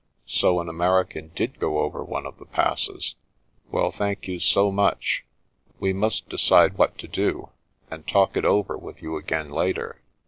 " So an American did go over one of the passes ? Well, thank you so much ; we must decide what to do, and talk it over with you again later.